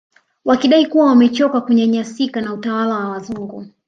Wakidai kuwa wamechoka kunyanyasika na utawala wa wazungu